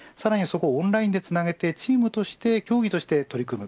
オンラインでつなげてチームとして競技として取り組む